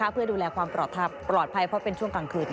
เพื่อดูแลความปลอดภัยเพราะเป็นช่วงกลางคืน